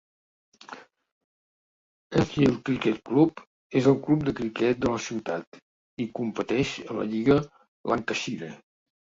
Enfield Cricket Club és el club de criquet de la ciutat i competeix a la Lliga Lancashire.